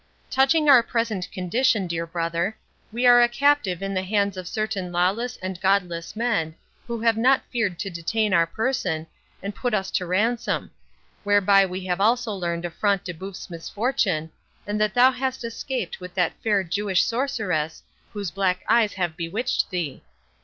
Touching our present condition, dear Brother, we are a captive in the hands of certain lawless and godless men, who have not feared to detain our person, and put us to ransom; whereby we have also learned of Front de Bœuf's misfortune, and that thou hast escaped with that fair Jewish sorceress, whose black eyes have bewitched thee.